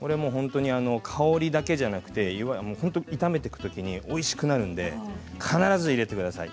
香りだけじゃなくて炒めていくときにおいしくなるので必ず入れてください。